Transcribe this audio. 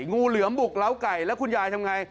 งูเหลือมบุกเล้าไก่แล้วคุณยายทำไง